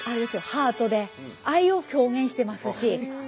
ハートで愛を表現してますし。